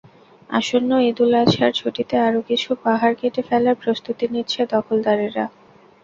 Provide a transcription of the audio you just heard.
আসন্ন ঈদুল আজহার ছুটিতে আরও কিছু পাহাড় কেটে ফেলার প্রস্তুতি নিচ্ছে দখলদারেরা।